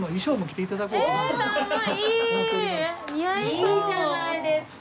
いいじゃないですか。